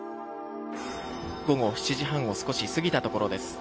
午後７時半を少し過ぎたところです。